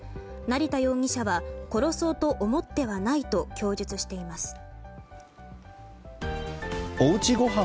成田容疑者は殺そうと思ってはないと供述しています。